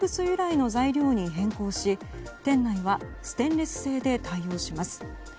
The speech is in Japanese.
由来の材料に変更し店内はステンレス製で対応します。